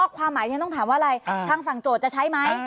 ความหมายที่ฉันต้องถามว่าอะไรทางฝั่งโจทย์จะใช้ไหม